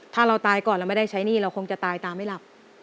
ถ้าเราตายก่อนเราไม่ได้ใช้หนี้เราคงจะตายตาไม่หลับ